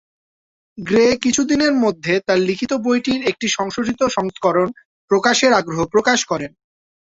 Grey কিছুদিনের মধ্যে তার লিখিত বইটির একটি সংশোধিত সংস্করণ প্রকাশের আগ্রহ প্রকাশ করেন।